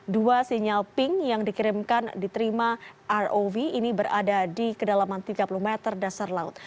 dua sinyal pink yang dikirimkan diterima rov ini berada di kedalaman tiga puluh meter dasar laut